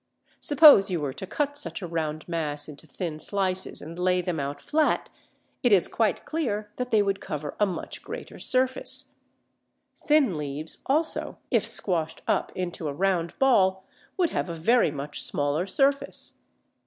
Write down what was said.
Suppose you were to cut such a round mass into thin slices and lay them out flat, it is quite clear that they would cover a much greater surface. Thin leaves also, if squashed up into a round ball, would have a very much smaller surface.